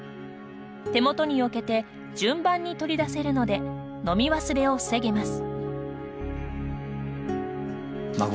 手元に置けて順番に取り出せるので飲み忘れを防げます。